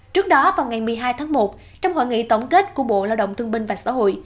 trước đó vào ngày một mươi hai tháng một trong hội nghị tổng kết của bộ lao động thương binh và xã hội